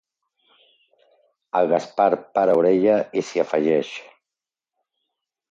El Gaspar para orella i s'hi afegeix.